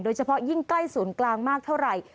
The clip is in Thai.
ยิ่งใกล้ศูนย์กลางมากเท่าไหร่